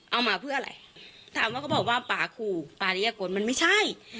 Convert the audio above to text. มาเพื่ออะไรถามว่าเขาบอกว่าป่าขู่ป่าริยกลมันไม่ใช่